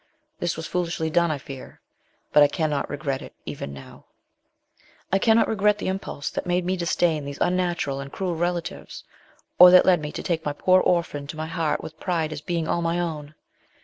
This was foolishly done, I fear ; but I cannot regret it, even now. I cannot regret the impulse that made me disdain these unnatural and cruel relatives, or that led me to take my poor orphan to my heart with pride as being all my own.